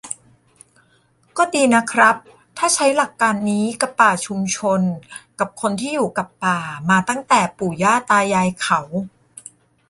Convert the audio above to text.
"ก็ดีนะครับ ถ้าใช้หลักการนี้กับป่าชุมชน กับคนที่อยู่กับป่ามาตั้งแต่ปู่ย่าตายายเขา"